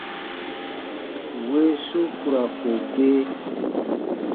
Weesu ku ra ko gee.